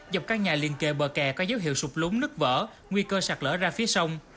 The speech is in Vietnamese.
dọc các nhà liên kề bờ kè có dấu hiệu sụp lúng nứt vỡ nguy cơ sạt lỡ ra phía sông